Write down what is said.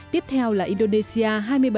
tiếp theo là indonesia hai mươi bảy